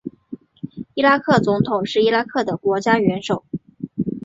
伊拉克总统是伊拉克的国家元首。